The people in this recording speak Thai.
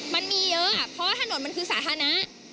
มันมีเยอะเพราะถนนมันคือสาธารณะ